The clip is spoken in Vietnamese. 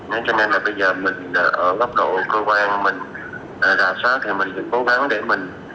nên cho nên là bây giờ mình ở góc độ cơ quan mình rà soát thì mình chỉ cố gắng để mình